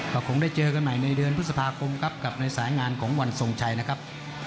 ก็คงได้เจอกันใหม่ในเดือนพฤษภาคมครับกับในสายงานของวันทรงชัยนะครับ